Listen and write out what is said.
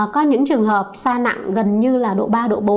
có những trường hợp xa nặng gần như là độ ba độ bốn